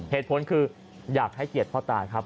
เหตุผลคืออยากให้เกียรติพ่อตาครับ